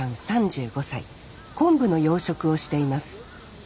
昆布の養殖をしています